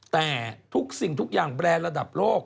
แต่ทุกสิ่งทุกอย่างแบรนด์ระดับโลก